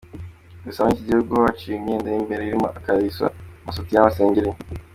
Gusa muri iki gihugu ho haciwe imyenda y’imbere irimo akariso, amasutiye n’amasengeri.